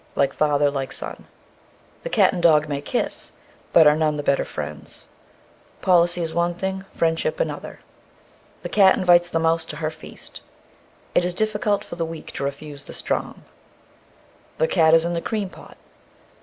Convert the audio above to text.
Like father, like son. The cat and dog may kiss, but are none the better friends. Policy is one thing, friendship another. The cat invites the mouse to her feast. It is difficult for the weak to refuse the strong. _The cat is in the cream pot.